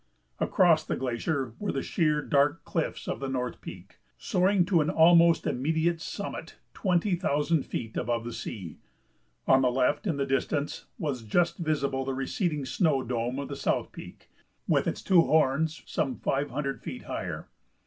Across the glacier were the sheer, dark cliffs of the North Peak, soaring to an almost immediate summit twenty thousand feet above the sea; on the left, in the distance, was just visible the receding snow dome of the South Peak, with its two horns some five hundred feet higher.